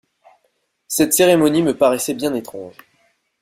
Cette cérémonie me paraissait bien étrange.